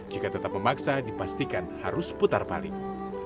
jika tetap memaksa dipastikan harus putar balik